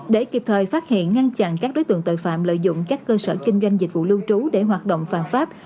để kịp thời phát hiện ngăn chặn các đối tượng tội phạm lợi dụng các cơ sở kinh doanh dịch vụ lưu trú để hoạt động phạm pháp